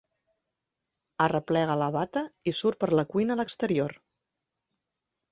Arreplega la bata i surt per la cuina a l'exterior.